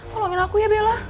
tolongin aku ya bella